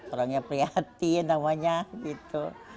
orangnya prihatin namanya gitu